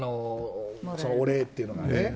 お礼っていうのがね。